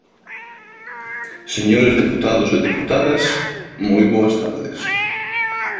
Señores deputados e deputadas, moi boas tardes.